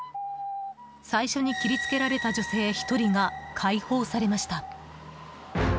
最初に切りつけられた女性１人が解放されました。